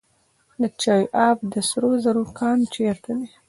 د چاه اب د سرو زرو کان چیرته دی؟